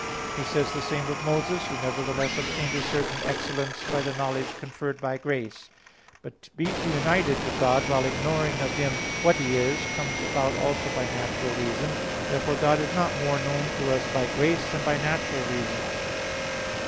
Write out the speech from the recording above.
He says the same of Moses, who nevertheless obtained a certain excellence by the knowledge conferred by grace. But to be united to God while ignoring of Him "what He is," comes about also by natural reason. Therefore God is not more known to us by grace than by natural reason.